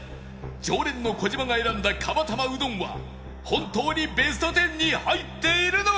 常連の児嶋が選んだ釜玉うどんは本当にベスト１０に入っているのか？